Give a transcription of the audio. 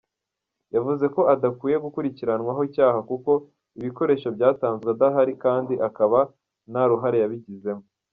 Yavuze ko adakwiye gukurikiranwaho icyaha kuko ibikoresho byatanzwe adahari kandi akaba nta ruhare yabigizemo.